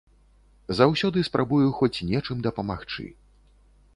Заўсёды спрабую хоць нечым дапамагчы.